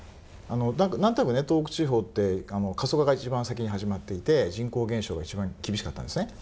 なんとなくね、東北地方って過疎化が一番先に始まっていて人口減少が一番厳しかったんですね。